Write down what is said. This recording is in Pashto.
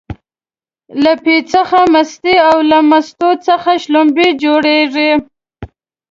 له پی څخه مستې او له مستو څخه شلومبې جوړيږي